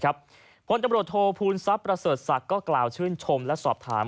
คนตำรวจโทษภูมิทรัพย์ประเสริฐศักดิ์ก็กล่าวชื่นชมและสอบถาม